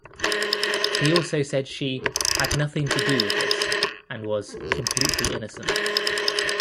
He also said she "had nothing to do with this" and was "completely innocent.